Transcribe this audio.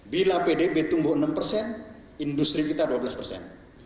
bila pdb tumbuh enam persen industri kita dua belas persen